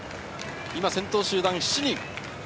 今、先頭集団７人。